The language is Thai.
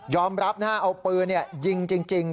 ยอมรับหน้าเอาปืนยิงจริง